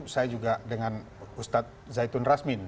saya juga dengan ustaz zaitun razmin